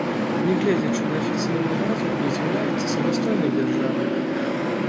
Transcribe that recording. Нягледзячы на афіцыйную назву, не з'яўляецца самастойнай дзяржавай.